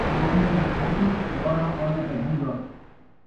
ݙوانی دی کھوتی تے ٻارہاں آنیاں دا ڈھن٘گا